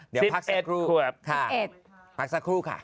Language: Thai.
เดี๋ยวพักสักครู่ค่ะ